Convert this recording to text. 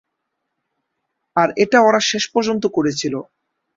আর এটা ওরা শেষ পর্যন্ত করেছিল।